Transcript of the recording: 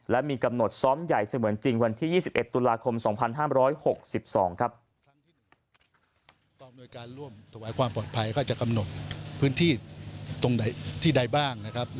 และมีกำหนดซ้อมใหญ่เสมือนจริงวันที่๒๑ตุลาคม๒๕๖๒ครับ